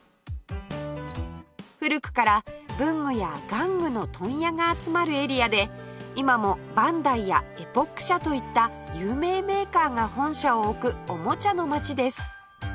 古くから文具や玩具の問屋が集まるエリアで今もバンダイやエポック社といった有名メーカーが本社を置くおもちゃの街です